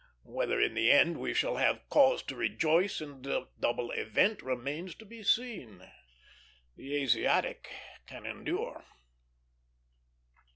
Whether in the end we shall have cause to rejoice in the double event remains to be seen. The Asiatic can endure.